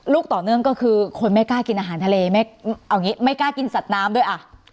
ลูกต่อเนื่องก็คือคนไม่กล้ากินอาหารทะเลไม่กล้ากินสัตว์น้ำด้วย